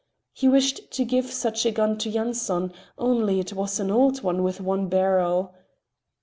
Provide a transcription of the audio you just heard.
He wished to give such a gun to Yanson, only it was an old one with one barrel.